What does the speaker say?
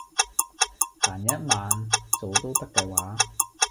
閒日晚做都得嘅話